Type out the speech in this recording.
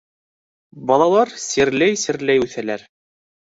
— Балалар сирләй-сирләй үҫәләр.